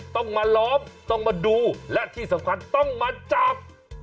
ต้องมาล้อมต้องมาดูและที่สำคัญต้องมาจับ